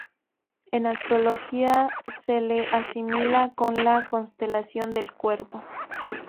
En astrología se le asimila con la constelación del cuervo.